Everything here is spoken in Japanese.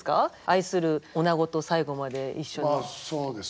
愛する女子と最後まで一緒で。